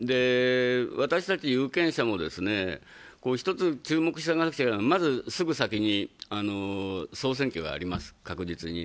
私たち有権者も注目しておかなくちゃいけないのはまずすぐ先に総選挙があります、確実に。